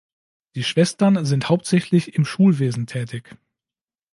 Die Schwestern sind hauptsächlich im Schulwesen tätig.